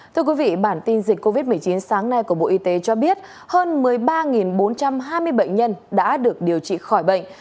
thưa quý vị bản tin dịch covid một mươi chín sáng nay của bộ y tế cho biết hơn một mươi ba bốn trăm hai mươi bệnh nhân đã được điều trị khỏi bệnh